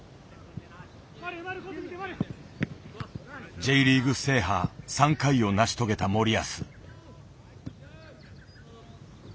Ｊリーグ制覇３回を成し遂げた森保。